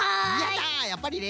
やっぱりね。